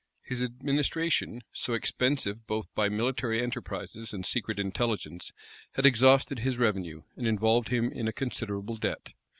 His administration, so expensive both by military enterprises and secret intelligence, had exhausted his revenue, and involved him in a considerable debt.